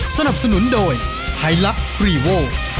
สนับสนุนโดยไฮลักษ์รีโว